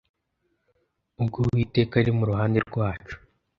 Ubwo Uwiteka ari mu ruhande rwacu